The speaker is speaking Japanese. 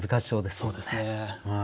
そうですね。